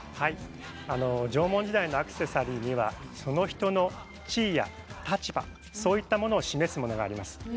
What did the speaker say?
縄文時代のアクセサリーにはその人の地位や立場そういったものを示すものがあります。